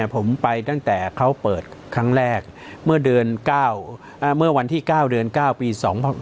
ผมไปตั้งแต่เขาเปิดครั้งแรกเมื่อเดือน๙เมื่อวันที่๙เดือน๙ปี๒๖๖